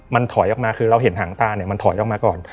มันถอยออกมาคือเราเห็นหางตาเนี่ยมันถอยออกมาก่อน